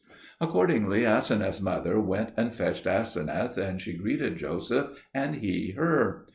Accordingly, Aseneth's mother went and fetched Aseneth, and she greeted Joseph, and he her.